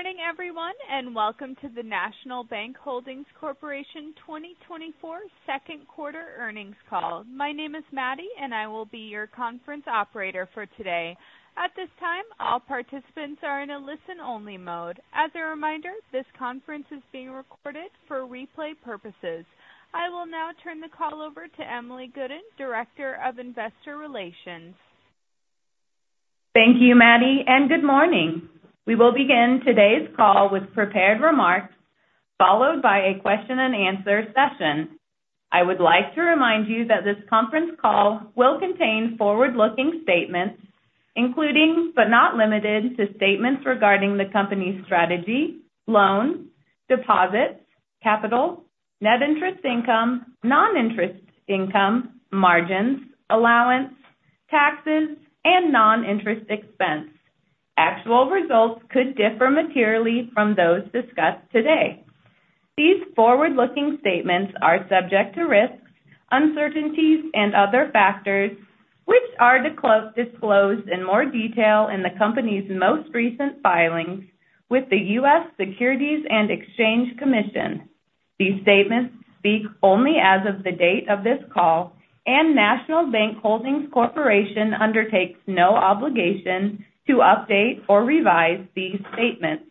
Good morning, everyone, and welcome to the National Bank Holdings Corporation 2024 second-quarter earnings call. My name is Maddie, and I will be your conference operator for today. At this time, all participants are in a listen-only mode. As a reminder, this conference is being recorded for replay purposes. I will now turn the call over to Emily Gooden, Director of Investor Relations. Thank you, Maddie, and good morning. We will begin today's call with prepared remarks, followed by a question-and-answer session. I would like to remind you that this conference call will contain forward-looking statements, including but not limited to statements regarding the company's strategy, loans, deposits, capital, net interest income, non-interest income, margins, allowance, taxes, and non-interest expense. Actual results could differ materially from those discussed today. These forward-looking statements are subject to risks, uncertainties, and other factors, which are disclosed in more detail in the company's most recent filings with the U.S. Securities and Exchange Commission. These statements speak only as of the date of this call, and National Bank Holdings Corporation undertakes no obligation to update or revise these statements.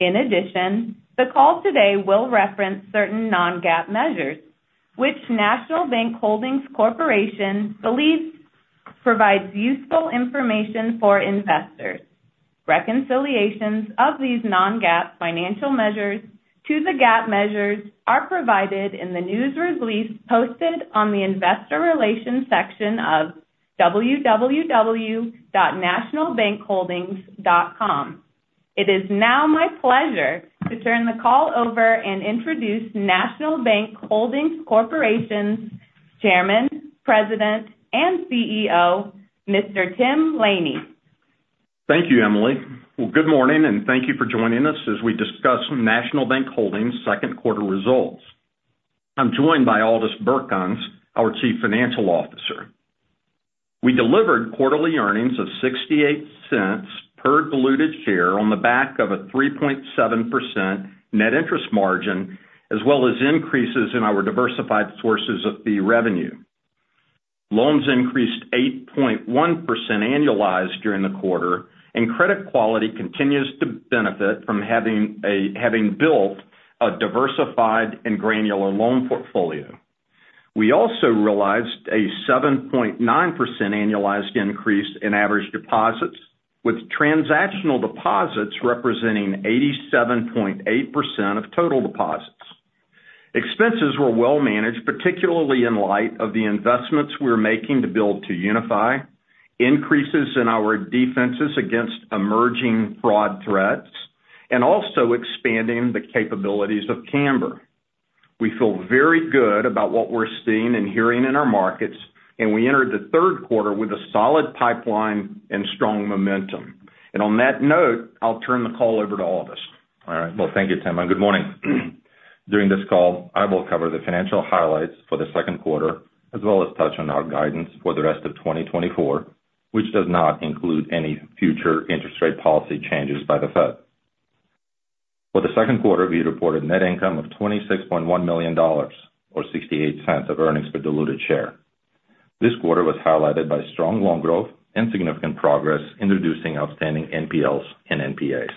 In addition, the call today will reference certain non-GAAP measures, which National Bank Holdings Corporation believes provide useful information for investors. Reconciliations of these non-GAAP financial measures to the GAAP measures are provided in the news release posted on the Investor Relations section of www.nationalbankholdings.com. It is now my pleasure to turn the call over and introduce National Bank Holdings Corporation's Chairman, President, and CEO, Mr. Tim Laney. Thank you, Emily. Well, good morning, and thank you for joining us as we discuss National Bank Holdings' second-quarter results. I'm joined by Aldis Birkans, our Chief Financial Officer. We delivered quarterly earnings of $0.68 per diluted share on the back of a 3.7% net interest margin, as well as increases in our diversified sources of fee revenue. Loans increased 8.1% annualized during the quarter, and credit quality continues to benefit from having built a diversified and granular loan portfolio. We also realized a 7.9% annualized increase in average deposits, with transactional deposits representing 87.8% of total deposits. Expenses were well managed, particularly in light of the investments we're making to build 2UniFi, increases in our defenses against emerging fraud threats, and also expanding the capabilities of Cambr. We feel very good about what we're seeing and hearing in our markets, and we entered the third quarter with a solid pipeline and strong momentum. On that note, I'll turn the call over to Aldis. All right. Well, thank you, Tim. And good morning. During this call, I will cover the financial highlights for the second quarter, as well as touch on our guidance for the rest of 2024, which does not include any future interest rate policy changes by the Fed. For the second quarter, we reported net income of $26.1 million, or $0.68 of earnings per diluted share. This quarter was highlighted by strong loan growth and significant progress in reducing outstanding NPLs and NPAs.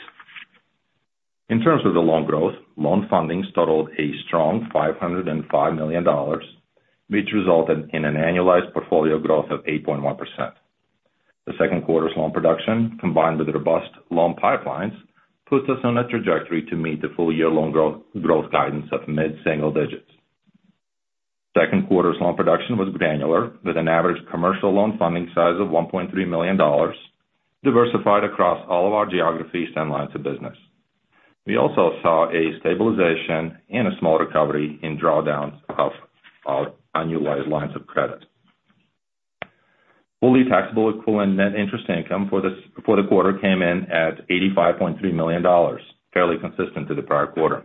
In terms of the loan growth, loan funding totaled a strong $505 million, which resulted in an annualized portfolio growth of 8.1%. The second quarter's loan production, combined with robust loan pipelines, puts us on a trajectory to meet the full-year loan growth guidance of mid-single digits. Second quarter's loan production was granular, with an average commercial loan funding size of $1.3 million, diversified across all of our geographies and lines of business. We also saw a stabilization and a small recovery in drawdowns of our annualized lines of credit. Fully taxable equivalent net interest income for the quarter came in at $85.3 million, fairly consistent to the prior quarter.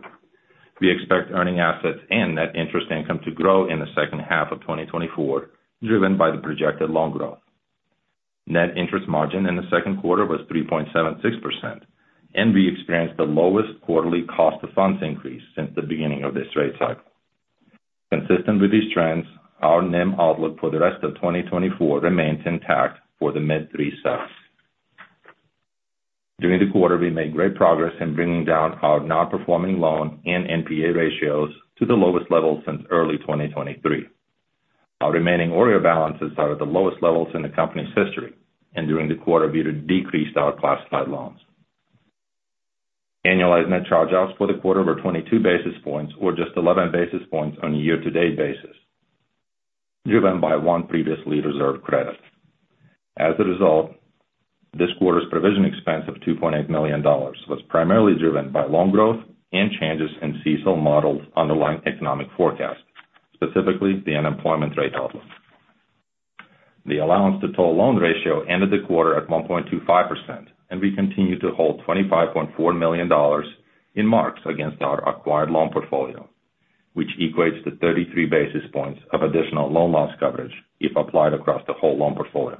We expect earning assets and net interest income to grow in the second half of 2024, driven by the projected loan growth. Net interest margin in the second quarter was 3.76%, and we experienced the lowest quarterly cost of funds increase since the beginning of this rate cycle. Consistent with these trends, our NIM outlook for the rest of 2024 remains intact for the mid-three sevens. During the quarter, we made great progress in bringing down our non-performing loan and NPA ratios to the lowest level since early 2023. Our remaining OREO balances are at the lowest levels in the company's history, and during the quarter, we decreased our classified loans. Annualized net charge-offs for the quarter were 22 basis points, or just 11 basis points on a year-to-date basis, driven by one previously reserved credit. As a result, this quarter's provision expense of $2.8 million was primarily driven by loan growth and changes in CECL modeled underlying economic forecast, specifically the unemployment rate outlook. The allowance-to-total loan ratio ended the quarter at 1.25%, and we continue to hold $25.4 million in marks against our acquired loan portfolio, which equates to 33 basis points of additional loan loss coverage if applied across the whole loan portfolio.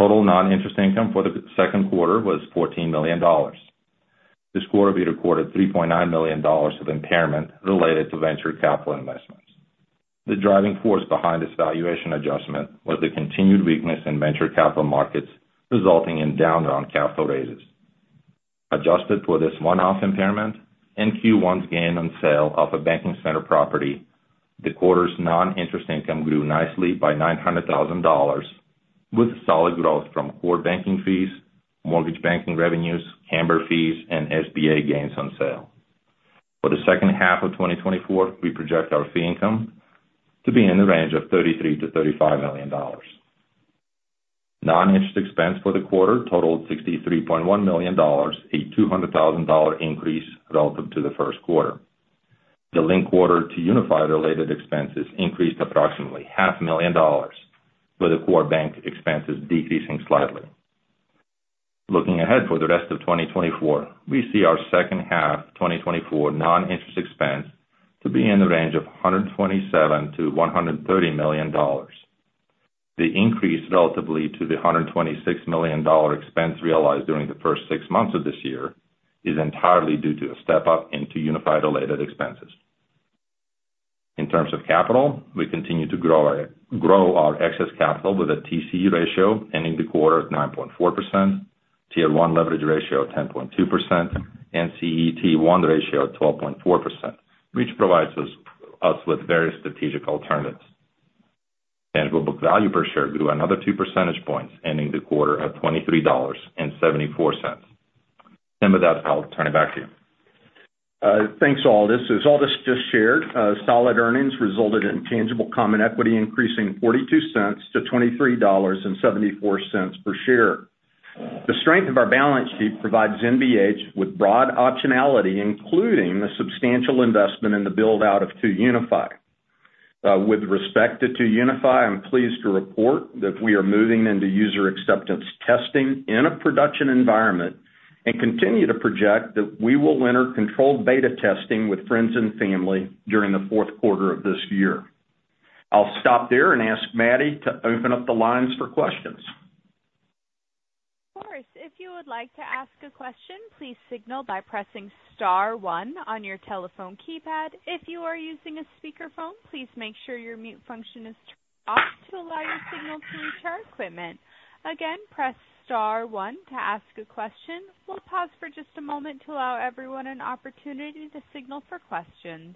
Total non-interest income for the second quarter was $14 million. This quarter, we recorded $3.9 million of impairment related to venture capital investments. The driving force behind this valuation adjustment was the continued weakness in venture capital markets, resulting in down-round capital raises. Adjusted for this one-off impairment and Q1's gain on sale of a banking center property, the quarter's non-interest income grew nicely by $900,000, with solid growth from core banking fees, mortgage banking revenues, Cambr fees, and SBA gains on sale. For the second half of 2024, we project our fee income to be in the range of $33 million-$35 million. Non-interest expense for the quarter totaled $63.1 million, a $200,000 increase relative to the first quarter. The linked-quarter UniFi-related expenses increased approximately $500,000, with the core bank expenses decreasing slightly. Looking ahead for the rest of 2024, we see our second half 2024 non-interest expense to be in the range of $127 million-$130 million. The increase relative to the $126 million expense realized during the first six months of this year is entirely due to a step-up into 2Unifi-related expenses. In terms of capital, we continue to grow our excess capital with a TCE ratio ending the quarter at 9.4%, Tier 1 leverage ratio at 10.2%, and CET1 ratio at 12.4%, which provides us with various strategic alternatives. Tangible book value per share grew another two percentage points, ending the quarter at $23.74. Tim, with that, I'll turn it back to you. Thanks, Aldis. As Aldis just shared, solid earnings resulted in tangible common equity increasing $0.42 to $23.74 per share. The strength of our balance sheet provides NBH with broad optionality, including a substantial investment in the build-out of 2UniFi. With respect to 2UniFi, I'm pleased to report that we are moving into user acceptance testing in a production environment and continue to project that we will enter controlled beta testing with friends and family during the fourth quarter of this year. I'll stop there and ask Maddie to open up the lines for questions. Of course. If you would like to ask a question, please signal by pressing Star 1 on your telephone keypad. If you are using a speakerphone, please make sure your mute function is turned off to allow your signal to reach our equipment. Again, press Star 1 to ask a question. We'll pause for just a moment to allow everyone an opportunity to signal for questions.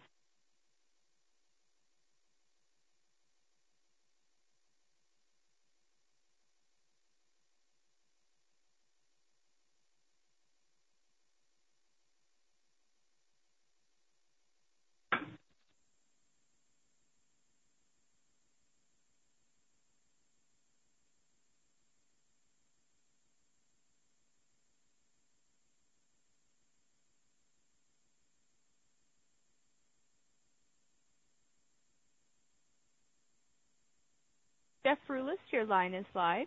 Jeff Rulis, your line is live.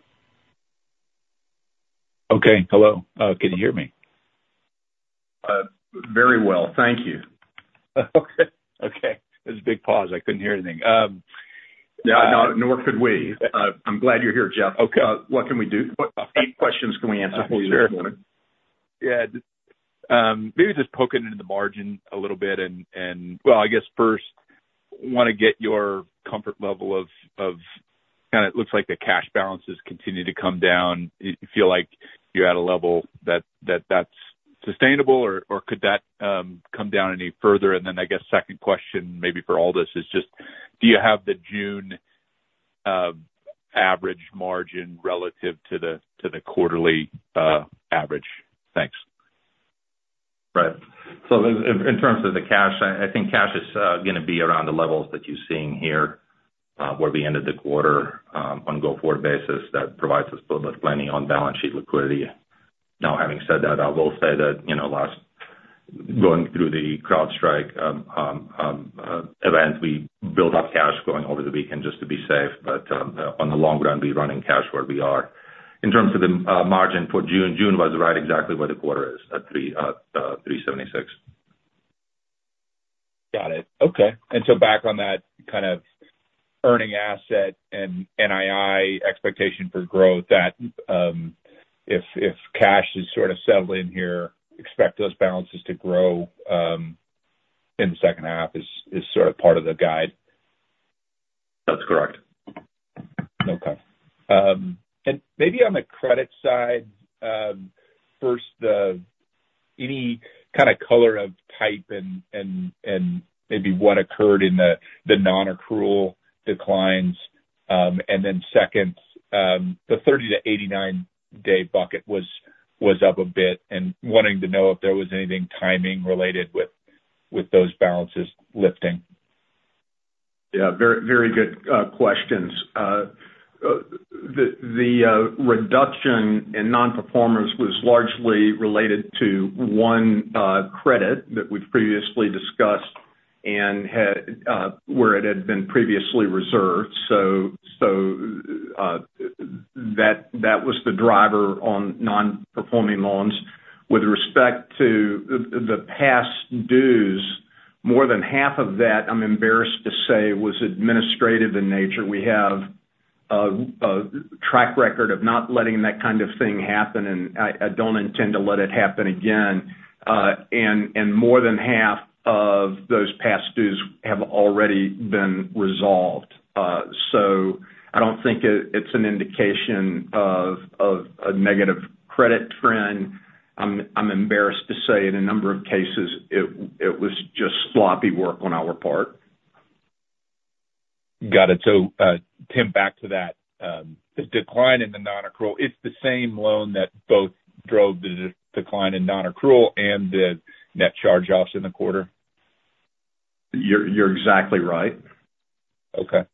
Okay. Hello. Can you hear me? Very well. Thank you. Okay. Okay. There's a big pause. I couldn't hear anything. Yeah. Nor could we. I'm glad you're here, Jeff. What can we do? Eight questions can we answer for you this morning? Yeah. Maybe just poke it into the margin a little bit. And well, I guess first, want to get your comfort level of kind of it looks like the cash balances continue to come down. You feel like you're at a level that that's sustainable, or could that come down any further? And then I guess second question, maybe for Aldis, is just do you have the June average margin relative to the quarterly average? Thanks. Right. So in terms of the cash, I think cash is going to be around the levels that you're seeing here where we ended the quarter on a go-forward basis that provides us with plenty on balance sheet liquidity. Now, having said that, I will say that last going through the CrowdStrike event, we built up cash going over the weekend just to be safe. But on the long run, we're running cash where we are. In terms of the margin for June, June was right exactly where the quarter is at 376. Got it. Okay. And so back on that kind of earning asset and NII expectation for growth, that if cash is sort of settled in here, expect those balances to grow in the second half is sort of part of the guide. That's correct. Okay. And maybe on the credit side, first, any kind of color of type and maybe what occurred in the non-accrual declines. And then second, the 30-89-day bucket was up a bit. And wanting to know if there was anything timing related with those balances lifting. Yeah. Very good questions. The reduction in non-performers was largely related to one credit that we've previously discussed and where it had been previously reserved. So that was the driver on non-performing loans. With respect to the past dues, more than half of that, I'm embarrassed to say, was administrative in nature. We have a track record of not letting that kind of thing happen, and I don't intend to let it happen again. And more than half of those past dues have already been resolved. So I don't think it's an indication of a negative credit trend. I'm embarrassed to say in a number of cases, it was just sloppy work on our part. Got it. So Tim, back to that decline in the non-accrual, it's the same loan that both drove the decline in non-accrual and the net charge-offs in the quarter? You're exactly right. Okay.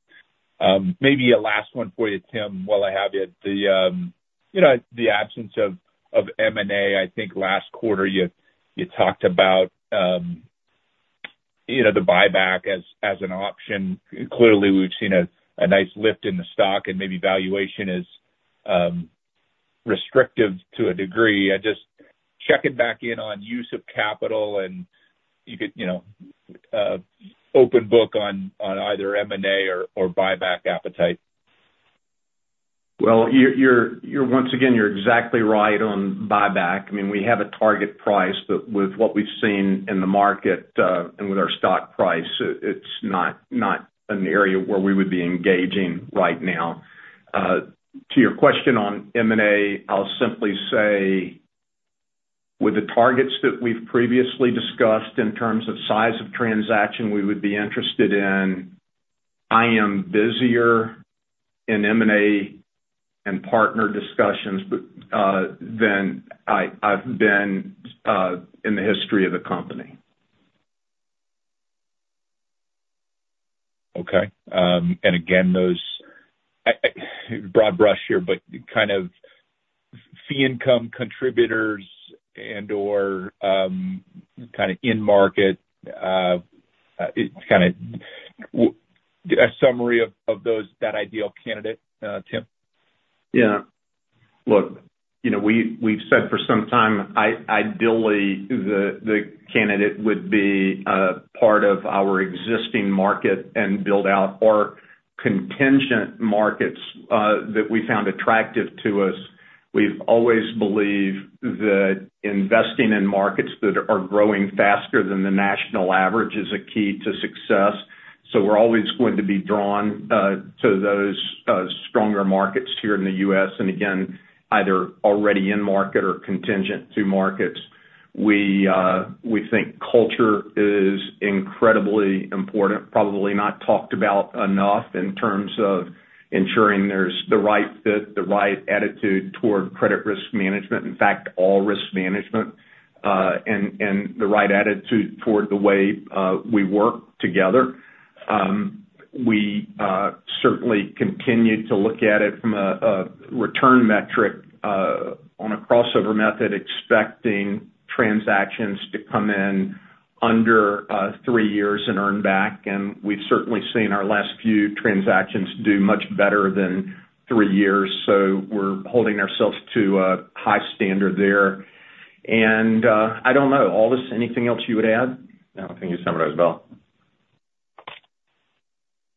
Maybe a last one for you, Tim, while I have you. The absence of M&A, I think last quarter, you talked about the buyback as an option. Clearly, we've seen a nice lift in the stock, and maybe valuation is restrictive to a degree. Just checking back in on use of capital and open book on either M&A or buyback appetite. Well, once again, you're exactly right on buyback. I mean, we have a target price, but with what we've seen in the market and with our stock price, it's not an area where we would be engaging right now. To your question on M&A, I'll simply say with the targets that we've previously discussed in terms of size of transaction, we would be interested in being busier in M&A and partner discussions than I've been in the history of the company. Okay. And again, those broad brush here, but kind of fee income contributors and/or kind of in-market, kind of a summary of that ideal candidate, Tim? Yeah. Look, we've said for some time, ideally, the candidate would be part of our existing market and build out our contingent markets that we found attractive to us. We've always believed that investing in markets that are growing faster than the national average is a key to success. So we're always going to be drawn to those stronger markets here in the U.S., and again, either already in-market or contingent to markets. We think culture is incredibly important, probably not talked about enough in terms of ensuring there's the right fit, the right attitude toward credit risk management, in fact, all risk management, and the right attitude toward the way we work together. We certainly continue to look at it from a return metric on a crossover method, expecting transactions to come in under three years and earn back. And we've certainly seen our last few transactions do much better than three years. So we're holding ourselves to a high standard there. And I don't know, Aldis, anything else you would add? No, I think you summed it up well.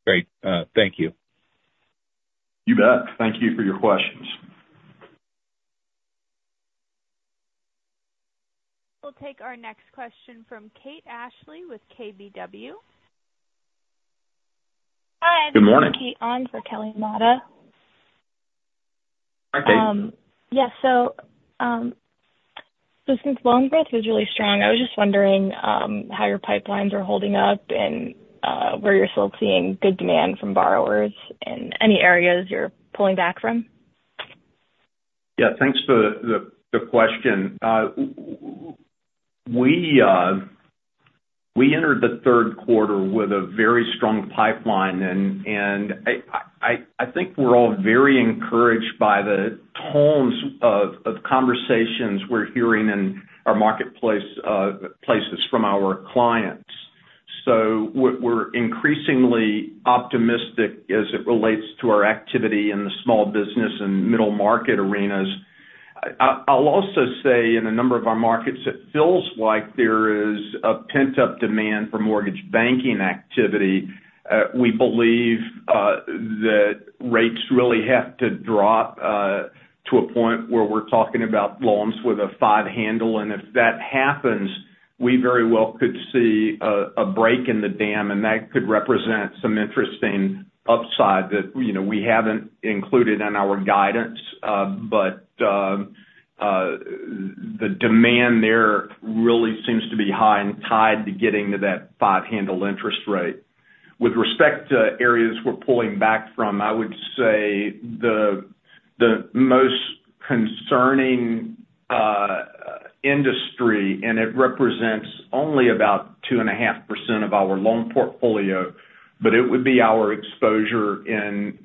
Great. Thank you. You bet. Thank you for your questions. We'll take our next question from Kate Ashley with KBW. Hi. Good morning. This is Kate Ashley on for Kelly Motta. Hi, Kate. Yeah. So since loan growth was really strong, I was just wondering how your pipelines are holding up and where you're still seeing good demand from borrowers in any areas you're pulling back from? Yeah. Thanks for the question. We entered the third quarter with a very strong pipeline, and I think we're all very encouraged by the tone of conversations we're hearing in our marketplaces from our clients. So we're increasingly optimistic as it relates to our activity in the small business and middle market arenas. I'll also say in a number of our markets, it feels like there is a pent-up demand for mortgage banking activity. We believe that rates really have to drop to a point where we're talking about loans with a five handle. And if that happens, we very well could see a break in the dam, and that could represent some interesting upside that we haven't included in our guidance. But the demand there really seems to be high and tied to getting to that five handle interest rate. With respect to areas we're pulling back from, I would say the most concerning industry, and it represents only about 2.5% of our loan portfolio, but it would be our exposure in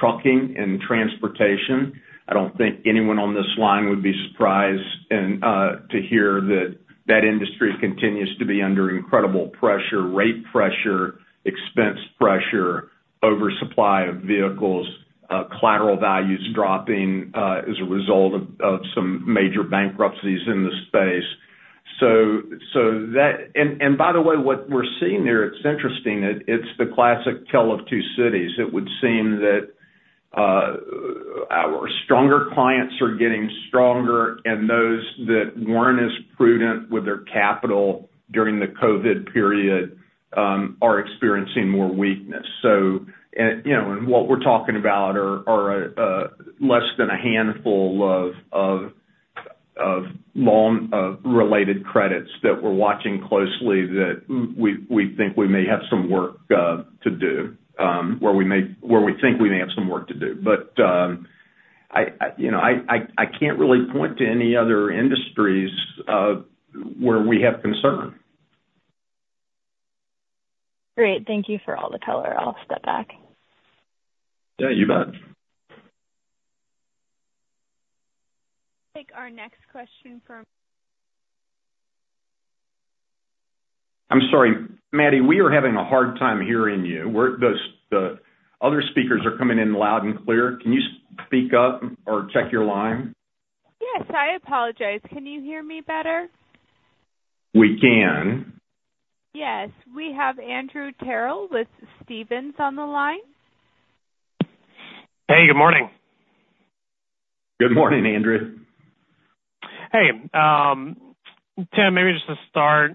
trucking and transportation. I don't think anyone on this line would be surprised to hear that that industry continues to be under incredible pressure: rate pressure, expense pressure, oversupply of vehicles, collateral values dropping as a result of some major bankruptcies in the space. And by the way, what we're seeing there, it's interesting. It's the classic tale of two cities. It would seem that our stronger clients are getting stronger, and those that weren't as prudent with their capital during the COVID period are experiencing more weakness. What we're talking about are less than a handful of loan-related credits that we're watching closely that we think we may have some work to do, where we think we may have some work to do. But I can't really point to any other industries where we have concern. Great. Thank you for all the color. I'll step back. Yeah. You bet. Take our next question from. I'm sorry. Maddie, we are having a hard time hearing you. The other speakers are coming in loud and clear. Can you speak up or check your line? Yes. I apologize. Can you hear me better? We can. Yes. We have Andrew Terrell with Stephens on the line. Hey. Good morning. Good morning, Andrew. Hey. Tim, maybe just to start,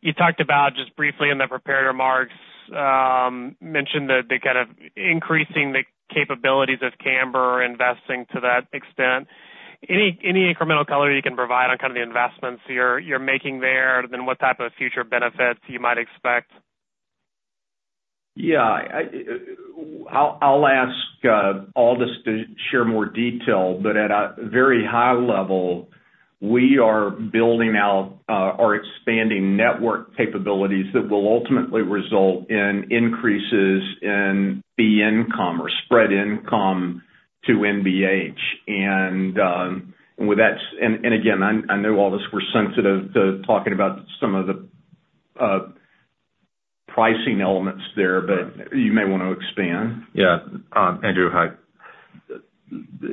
you talked about just briefly in the prepared remarks, mentioned that they're kind of increasing the capabilities of Cambr investing to that extent. Any incremental color you can provide on kind of the investments you're making there, and then what type of future benefits you might expect? Yeah. I'll ask Aldis to share more detail, but at a very high level, we are building out or expanding network capabilities that will ultimately result in increases in fee income or spread income to NBH. And again, I know Aldis, we're sensitive to talking about some of the pricing elements there, but you may want to expand. Yeah. Andrew,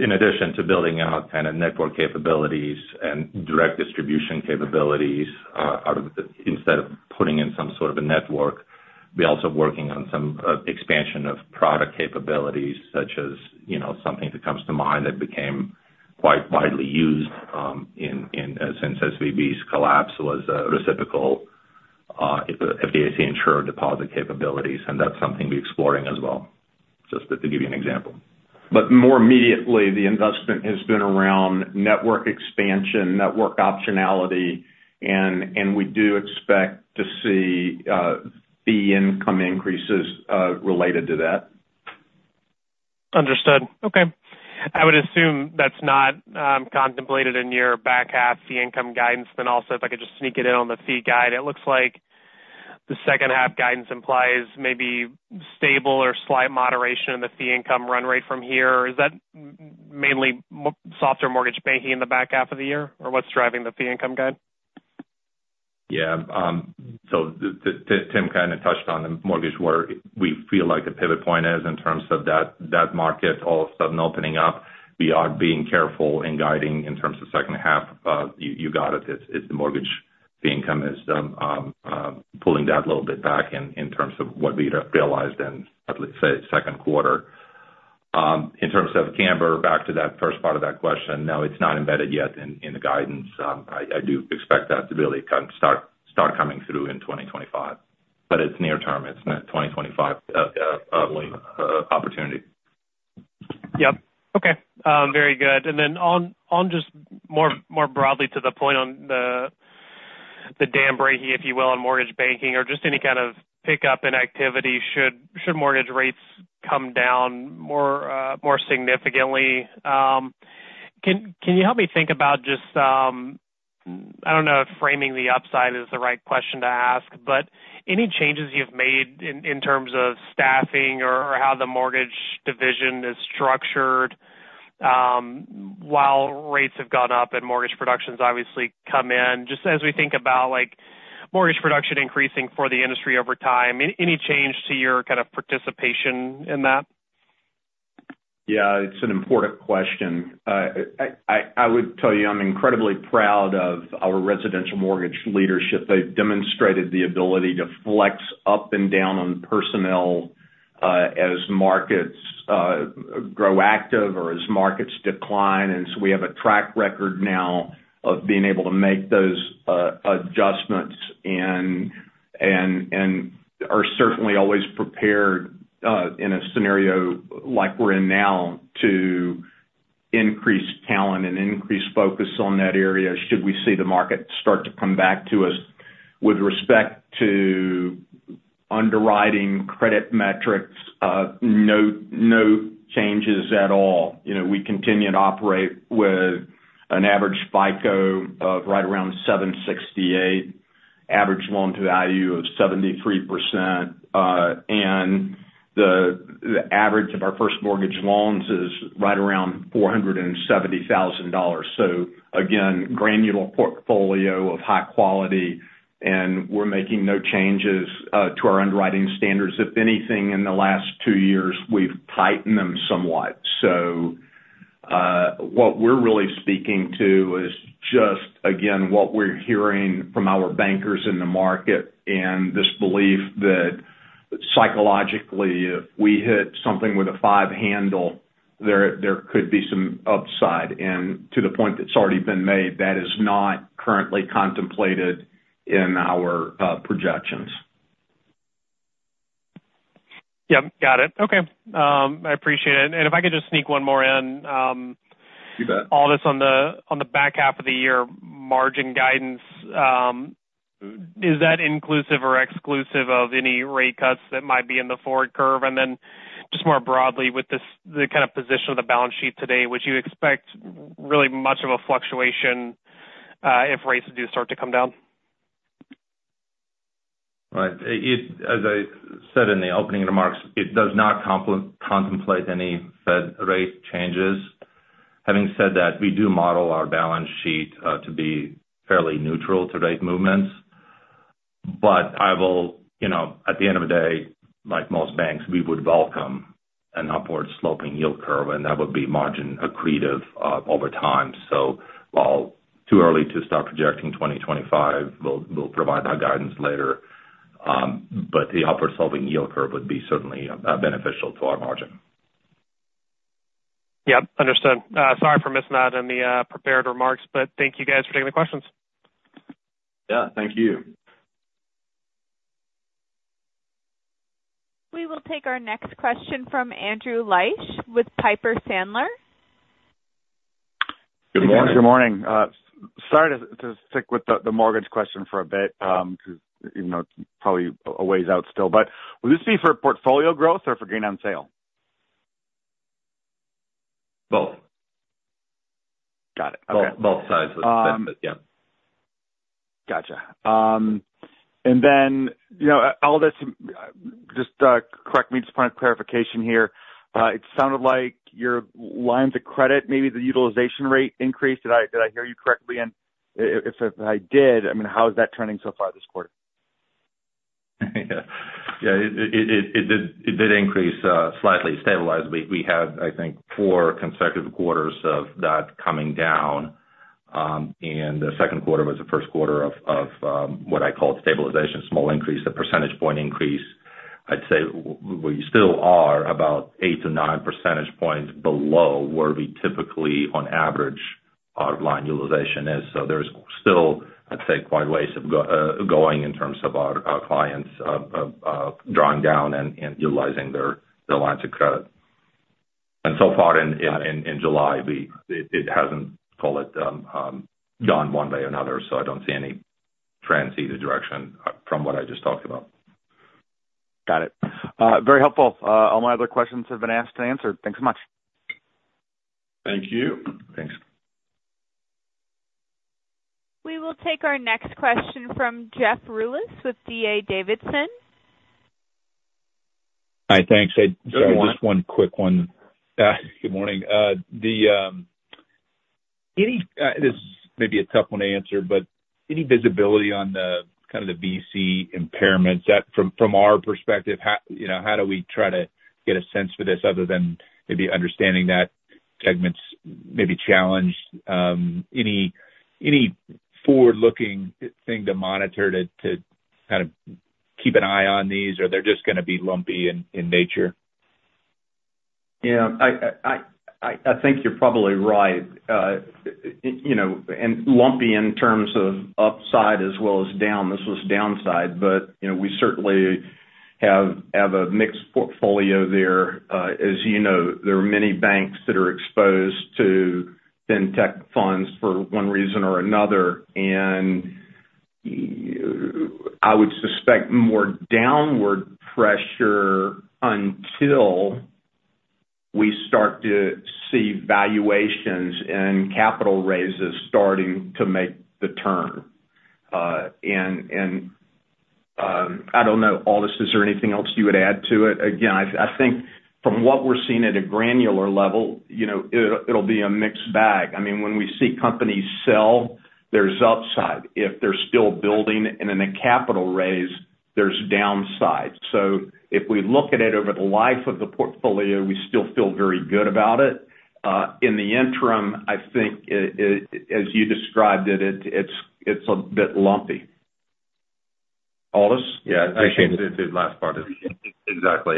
in addition to building out kind of network capabilities and direct distribution capabilities instead of putting in some sort of a network, we're also working on some expansion of product capabilities, such as something that comes to mind that became quite widely used since SVB's collapse was reciprocal FDIC insured deposit capabilities. And that's something we're exploring as well, just to give you an example. But more immediately, the investment has been around network expansion, network optionality, and we do expect to see fee income increases related to that. Understood. Okay. I would assume that's not contemplated in your back half fee income guidance. Then also, if I could just sneak it in on the fee guide, it looks like the second half guidance implies maybe stable or slight moderation in the fee income run rate from here. Is that mainly softer mortgage banking in the back half of the year, or what's driving the fee income guide? Yeah. So Tim kind of touched on the mortgage where we feel like the pivot point is in terms of that market all of a sudden opening up. We are being careful in guiding in terms of second half. You got it. It's the mortgage fee income is pulling that a little bit back in terms of what we realized in, let's say, second quarter. In terms of Cambr, back to that first part of that question, no, it's not embedded yet in the guidance. I do expect that to really start coming through in 2025. But it's near term. It's not 2025 opportunity. Yep. Okay. Very good. And then just more broadly to the point on the dam breaking, if you will, on mortgage banking or just any kind of pickup in activity, should mortgage rates come down more significantly, can you help me think about just—I don't know if framing the upside is the right question to ask—but any changes you've made in terms of staffing or how the mortgage division is structured while rates have gone up and mortgage productions obviously come in? Just as we think about mortgage production increasing for the industry over time, any change to your kind of participation in that? Yeah. It's an important question. I would tell you I'm incredibly proud of our residential mortgage leadership. They've demonstrated the ability to flex up and down on personnel as markets grow active or as markets decline. And so we have a track record now of being able to make those adjustments and are certainly always prepared in a scenario like we're in now to increase talent and increase focus on that area should we see the market start to come back to us. With respect to underwriting credit metrics, no changes at all. We continue to operate with an average FICO of right around 768, average loan to value of 73%, and the average of our first mortgage loans is right around $470,000. So again, granular portfolio of high quality, and we're making no changes to our underwriting standards. If anything, in the last two years, we've tightened them somewhat. What we're really speaking to is just, again, what we're hearing from our bankers in the market and this belief that psychologically, if we hit something with a five handle, there could be some upside. To the point that's already been made, that is not currently contemplated in our projections. Yep. Got it. Okay. I appreciate it. If I could just sneak one more in. You bet. Aldis, on the back half of the year, margin guidance, is that inclusive or exclusive of any rate cuts that might be in the forward curve? And then just more broadly, with the kind of position of the balance sheet today, would you expect really much of a fluctuation if rates do start to come down? Right. As I said in the opening remarks, it does not contemplate any Fed rate changes. Having said that, we do model our balance sheet to be fairly neutral to rate movements. But I will, at the end of the day, like most banks, we would welcome an upward sloping yield curve, and that would be margin accretive over time. So while too early to start projecting 2025, we'll provide that guidance later. But the upward sloping yield curve would be certainly beneficial to our margin. Yep. Understood. Sorry for missing that in the prepared remarks, but thank you guys for taking the questions. Yeah. Thank you. We will take our next question from Andrew Liesch with Piper Sandler. Good morning. Good morning. Sorry to stick with the mortgage question for a bit because it's probably a ways out still. But would this be for portfolio growth or for gain on sale? Both. Got it. Okay. Both sides. Yeah. Gotcha. And then, Aldis, just correct me just for clarification here. It sounded like your lines of credit, maybe the utilization rate increased. Did I hear you correctly? And if I did, I mean, how is that trending so far this quarter? Yeah. It did increase slightly, stabilized. We had, I think, 4 consecutive quarters of that coming down. And the second quarter was the first quarter of what I call stabilization, small increase, a percentage point increase. I'd say we still are about 8-9 percentage points below where we typically, on average, our line utilization is. So there's still, I'd say, quite a ways of going in terms of our clients drawing down and utilizing their lines of credit. And so far in July, it hasn't, call it, gone one way or another. So I don't see any trends either direction from what I just talked about. Got it. Very helpful. All my other questions have been asked and answered. Thanks so much. Thank you. Thanks. We will take our next question from Jeff Rulis with D.A. Davidson. Hi. Thanks. Just one quick one. Good morning. This is maybe a tough one to answer, but any visibility on kind of the VC impairments? From our perspective, how do we try to get a sense for this other than maybe understanding that segment's maybe challenged? Any forward-looking thing to monitor to kind of keep an eye on these, or they're just going to be lumpy in nature? Yeah. I think you're probably right. And lumpy in terms of upside as well as down. This was downside, but we certainly have a mixed portfolio there. As you know, there are many banks that are exposed to FinTech funds for one reason or another. And I would suspect more downward pressure until we start to see valuations and capital raises starting to make the turn. And I don't know, Aldis, is there anything else you would add to it? Again, I think from what we're seeing at a granular level, it'll be a mixed bag. I mean, when we see companies sell, there's upside. If they're still building and then a capital raise, there's downside. So if we look at it over the life of the portfolio, we still feel very good about it. In the interim, I think, as you described it, it's a bit lumpy. Aldis? Yeah. I appreciate it. The last part. Exactly.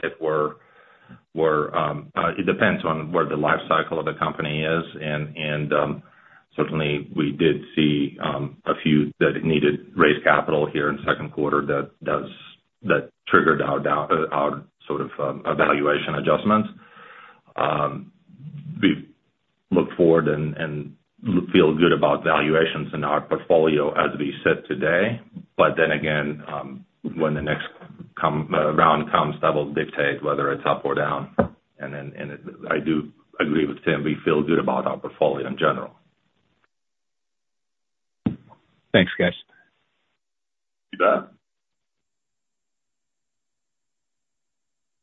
It depends on where the life cycle of the company is. Certainly, we did see a few that needed raised capital here in second quarter that triggered our sort of valuation adjustments. We look forward and feel good about valuations in our portfolio as we sit today. But then again, when the next round comes, that will dictate whether it's up or down. I do agree with Tim. We feel good about our portfolio in general. Thanks, guys. You bet.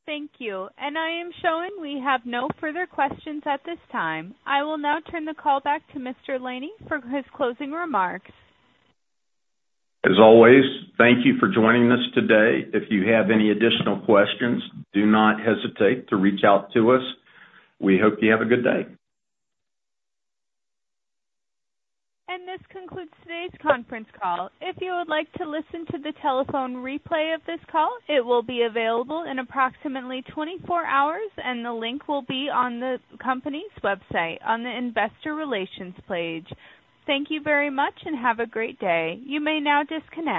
Thank you. I am showing we have no further questions at this time. I will now turn the call back to Mr. Laney for his closing remarks. As always, thank you for joining us today. If you have any additional questions, do not hesitate to reach out to us. We hope you have a good day. This concludes today's conference call. If you would like to listen to the telephone replay of this call, it will be available in approximately 24 hours, and the link will be on the company's website on the investor relations page. Thank you very much and have a great day. You may now disconnect.